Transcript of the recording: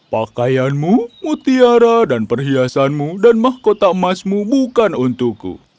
pakaianmu mutiara dan perhiasanmu dan mahkota emasmu bukan untukku